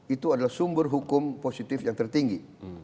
itu adalah sumber hukum positif yang tertinggi